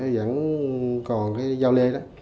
vẫn còn giao lê